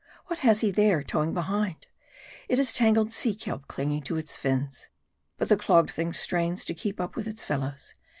What has he there, towing behind ? It is tangled sea kelp clinging to its fins. But the clogged thing strains to keep up with its fellows.